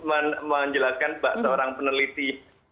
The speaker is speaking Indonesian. saya ingin menjelaskan kepada seorang peneliti